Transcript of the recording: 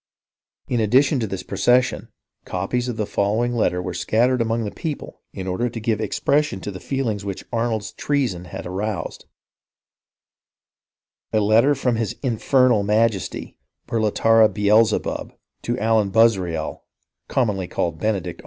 " In addition to this procession, copies of the following letter were scattered among the people in order to give expression to the feelings which Arnold's treason had aroused :—" A letter from his Infernal Majesty, Burlatarra Beelze bub, to Alan Buzrael, commonly called Benedict Arnold, a " C r ~K ^ 1 ^c '^ ~y ^"%"^■..